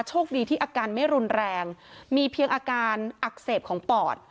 โชคดีที่อาการไม่รุนแรงมีเพียงอาการอักเสบของปอด